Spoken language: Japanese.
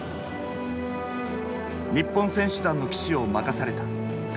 日本選手団の旗手を任された川除。